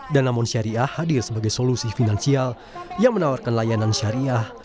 namun syariah hadir sebagai solusi finansial yang menawarkan layanan syariah